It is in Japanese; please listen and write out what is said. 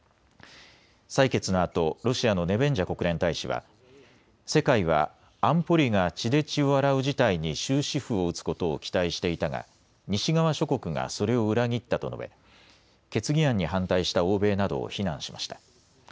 採決のあとロシアのネベンジャ国連大使は世界は安保理が血で血を洗う事態に終止符を打つことを期待していたが西側諸国がそれを裏切ったと述べ決議案に反対した欧米などを非難しました。